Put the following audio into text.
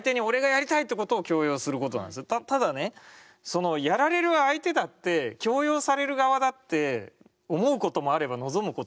そのやられる相手だって強要される側だって思うこともあれば望むこともあるわけですよ。